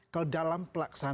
kalau dalam pelaksanaan